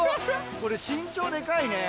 これ身長デカいね。